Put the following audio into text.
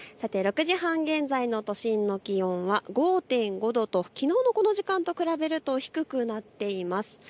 ６時半現在の都心の気温は５．５度ときのうのこの時間と比べると低くなっています。